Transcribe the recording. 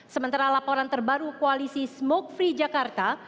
sementara laporan terbaru koalisi smoke free jakarta